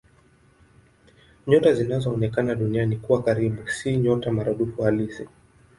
Nyota zinazoonekana Duniani kuwa karibu si nyota maradufu halisi.